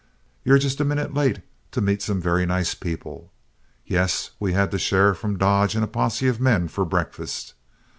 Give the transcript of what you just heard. You're just a minute late to meet some very nice people. Yes, we had the sheriff from Dodge and a posse of men for breakfast.